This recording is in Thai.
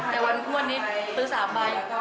แต่วันงวดนี้ซื้อ๓ใบ